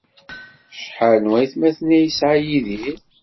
Acḥal n waytmaten ay yesɛa Yidir?